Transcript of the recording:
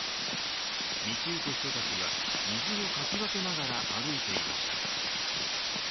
道行く人たちは、水をかき分けながら歩いていました。